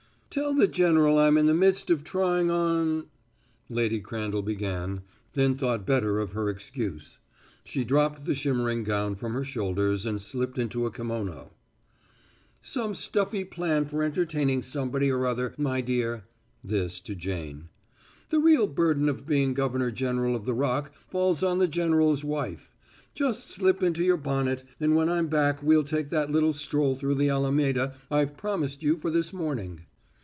"Tell the general I'm in the midst of trying on " Lady Crandall began, then thought better of her excuse. She dropped the shimmering gown from her shoulders and slipped into a kimono. "Some stuffy plan for entertaining somebody or other, my dear" this to Jane. "The real burden of being governor general of the Rock falls on the general's wife. Just slip into your bonnet, and when I'm back we'll take that little stroll through the Alameda I've promised you for this morning."